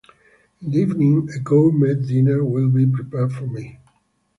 In the evening, a gourmet dinner will be prepared for me.